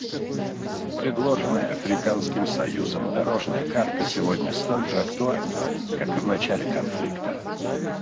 Предложенная Африканским союзом «дорожная карта» сегодня столь же актуальна, как и в начале конфликта.